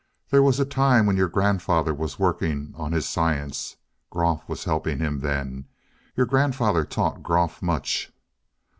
"There was a time when your grandfather was working on his science. Groff was helping him then. Your grandfather taught Groff much."